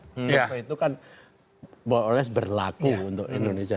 survei itu kan boleh berlaku untuk indonesia